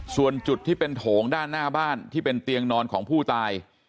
ส่วนจุดที่เป็นโถงด้านหน้าบ้านที่เป็นเตียงนอนของผู้ตาย